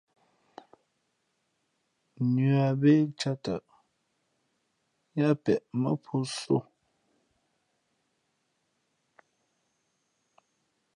Nʉα bé cāt tαʼ, yáā peʼ mά pō sō.